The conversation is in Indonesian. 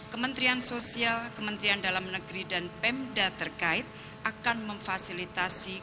kementerian sosial kementerian dalam negeri dan pemda terkait akan memfasilitasi